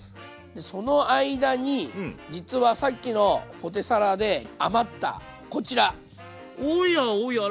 その間に実はさっきのポテサラで余ったこちら！